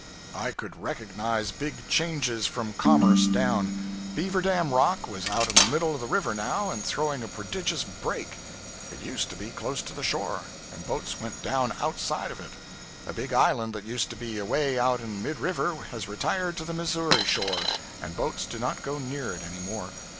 I could recognize big changes from Commerce down. Beaver Dam Rock was out in the middle of the river now, and throwing a prodigious 'break;' it used to be close to the shore, and boats went down outside of it. A big island that used to be away out in mid river, has retired to the Missouri shore, and boats do not go near it any more.